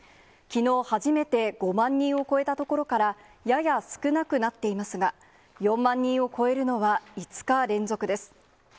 きのう初めて５万人を超えたところから、やや少なくなっていますが、４万人を超えるのは５日連続です。